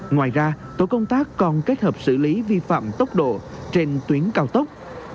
ngoài ra tổ công tác còn kết hợp xử lý vi phạm tốc độ trên tuyến cao tốc